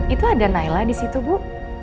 itu ada naila di situ bu